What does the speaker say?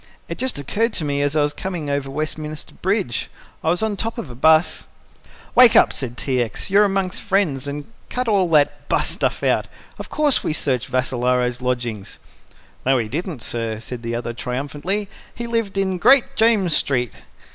"It just occurred to me as I was coming over Westminster Bridge. I was on top of a bus " "Wake up!" said T. X. "You're amongst friends and cut all that 'bus' stuff out. Of course we searched Vassalaro's lodgings!" "No, we didn't, sir," said the other triumphantly. "He lived in Great James Street."